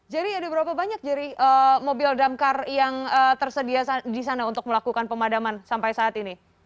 jerry ada berapa banyak jerry mobil damkar yang tersedia di sana untuk melakukan pemadaman sampai saat ini